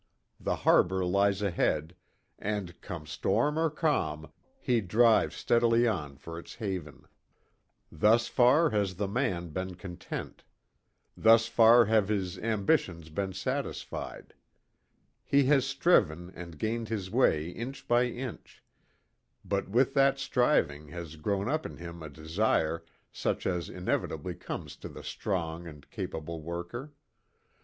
The harbor lies ahead, and, come storm or calm, he drives steadily on for its haven. Thus far has the man been content. Thus far have his ambitions been satisfied. He has striven, and gained his way inch by inch; but with that striving has grown up in him a desire such as inevitably comes to the strong and capable worker.